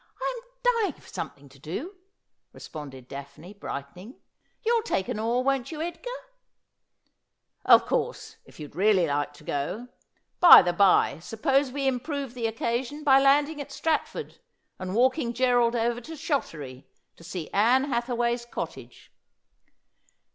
I am dying for something to do,' responded Daphne, brightening. 'You'll take an oar, won't you, Edgar ?'' Of course, if you'd really hke to go. By the bye, suppose we improve the occasion by landing at Stratford, and walkin" Gerald over to Shottery to see Ann Hathaway's cottage.'